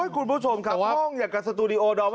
คุณผู้ชมครับห้องอย่างกับสตูดิโอดอม